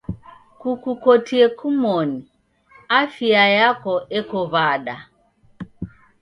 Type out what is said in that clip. Kukukotie kumoni, afia yako eko w'ada?